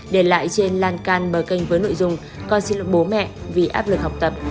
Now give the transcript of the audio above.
để lại trên lan can bờ kênh với nội dung con xin được bố mẹ vì áp lực học tập